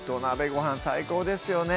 ごはん最高ですよね